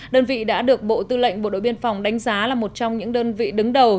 đơn vị đã được bộ tư lệnh bộ đội biên phòng đánh giá là một trong những đơn vị đứng đầu